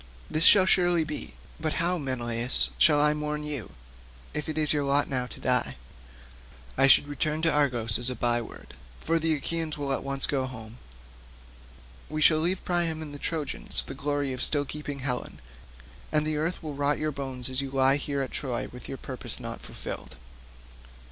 This shall surely be; but how, Menelaus, shall I mourn you, if it be your lot now to die? I should return to Argos as a by word, for the Achaeans will at once go home. We shall leave Priam and the Trojans the glory of still keeping Helen, and the earth will rot your bones as you lie here at Troy with your purpose not fulfilled.